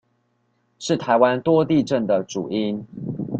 是台灣多地震的主因